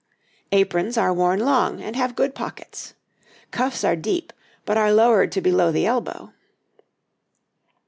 Aprons are worn long, and have good pockets. Cuffs are deep, but are lowered to below the elbow.